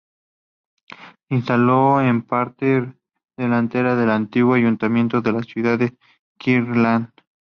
Se instaló en la parte delantera del antiguo ayuntamiento de la ciudad de Kirkland.